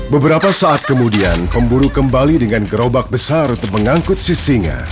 beberapa saat kemudian pemburu kembali dengan gerobak besar untuk mengangkut sisinga